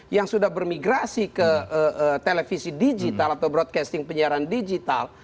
yang sudah bermigrasi ke televisi digital atau broadcasting penyiaran digital